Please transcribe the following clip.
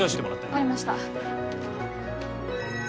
分かりました。